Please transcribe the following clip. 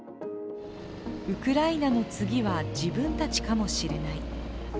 ウクライナの次は自分たちかもしれない。